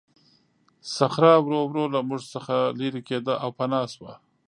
صخره ورو ورو له موږ څخه لیرې کېده او پناه شوه.